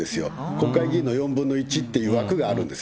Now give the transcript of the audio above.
国会議員の４分の１って枠があるんです。